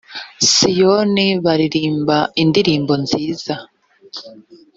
siyoni baririmba indirimbo nziza